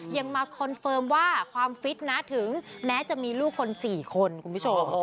ยังมาคอนเฟิร์มว่าความฟิตนะถึงแม้จะมีลูกคน๔คนคุณผู้ชม